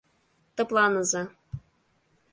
Тыпланыза.